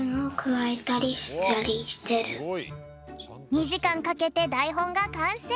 ２じかんかけてだいほんがかんせい。